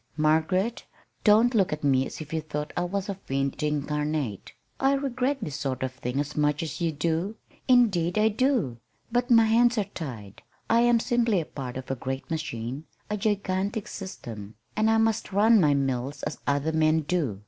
"Margaret, don't look at me as if you thought I was a fiend incarnate. I regret this sort of thing as much as you do. Indeed I do. But my hands are tied. I am simply a part of a great machine a gigantic system, and I must run my mills as other men do.